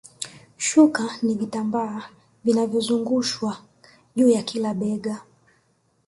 Shuka ni vitambaa vinavyozungushwa juu ya kila bega